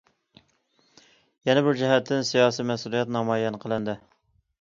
يەنە بىر جەھەتتىن،‹‹ سىياسىي مەسئۇلىيەت›› نامايان قىلىندى.